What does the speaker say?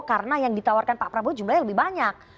karena yang ditawarkan pak prabowo jumlahnya lebih banyak